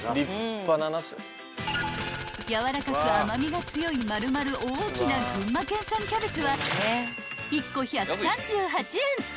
［やわらかく甘味が強い丸々大きな群馬県産キャベツは１個１３８円］